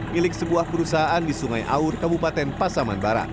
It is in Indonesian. milik sebuah perusahaan di sungai aur kabupaten pasaman barat